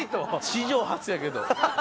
史上初やけど。